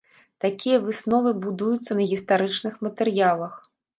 Такія высновы будуюцца на гістарычных матэрыялах.